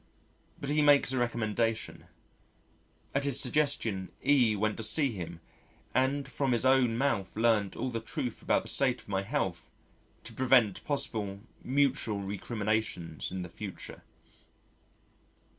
But he makes a recommendation.... At his suggestion E went to see him and from his own mouth learnt all the truth about the state of my health, to prevent possible mutual recriminations in the future.